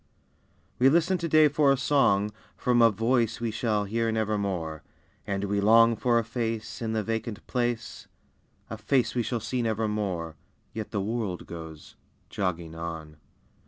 We listen today for a song From a voice we shall hear never more. And we long for a face, In the vacant place, A face we shall see nevermore, Yet the world goes "jogging on."